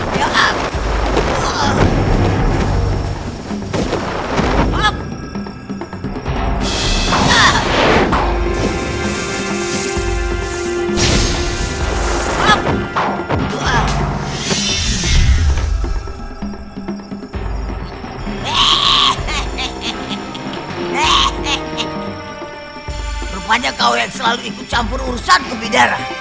berupanya kau yang selalu ikut campur urusan ke bidara